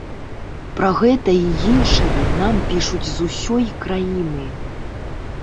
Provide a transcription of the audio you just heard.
Пра гэта і іншае нам пішуць з усёй краіны.